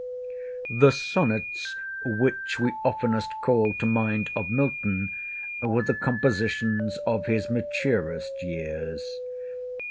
The Sonnets which we oftenest call to mind of Milton were the compositions of his maturest years.